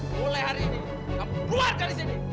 mulai hari ini kamu keluar dari sini